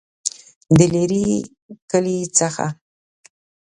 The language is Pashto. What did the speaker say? دلیري کلي څخه